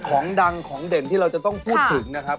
ของดังของเด่นที่เราจะต้องพูดถึงนะครับ